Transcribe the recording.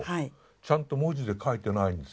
ちゃんと文字で書いてないんです。